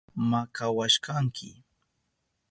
Makawashkanki.